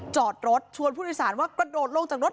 จอดรถชวนผู้โดยสารว่ากระโดดลงจากรถ